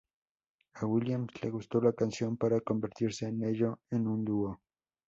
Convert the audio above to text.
A Williams le gustó la canción para convertirse en ello en un dúo.